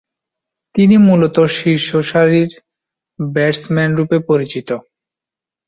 তিনি মূলতঃ শীর্ষসারির ব্যাটসম্যানরূপে পরিচিত।